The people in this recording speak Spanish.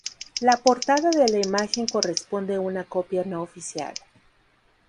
La portada de la imagen corresponde a una copia no oficial.